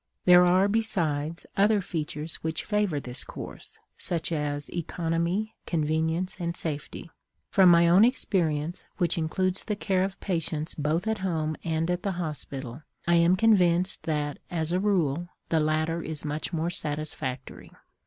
There are, besides, other features which favor this course, such as economy, convenience, and safety. From my own experience, which includes the care of patients both at home and at the hospital, I am convinced that, as a rule, the latter is much more satisfactory.